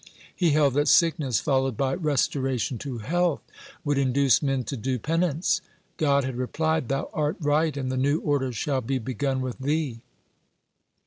He held that sickness followed by restoration to health would induce men to do penance. God had replied: "Thou art right, and the new order shall be begun with thee."